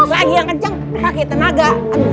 lagi yang kenceng pake tenaga